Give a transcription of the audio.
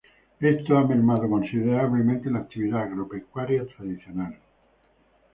Esto ha mermado considerablemente la actividad agropecuaria tradicional.